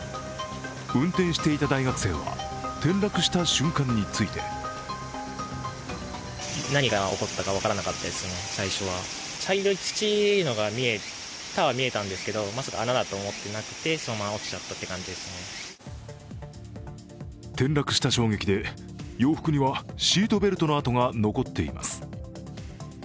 運転していた大学生は、転落した瞬間について転落した衝撃で洋服にはシートベルトのあとが残っています。